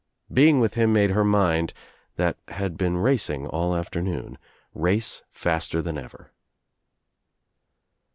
Being with him made her mind, that had been racing all afternoon, race faster than ever.